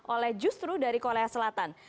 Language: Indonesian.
oleh justru dari korea selatan